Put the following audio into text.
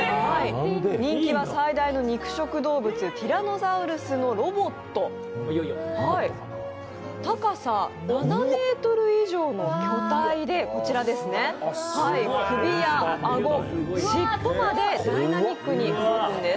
人気は最大の肉食動物・ティラノサウルスのロボット、高さ７ｍ以上の巨体で、首や顎、尻尾までダイナミックに動くんです。